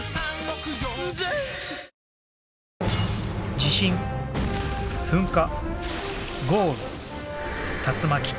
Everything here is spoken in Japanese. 地震噴火豪雨竜巻。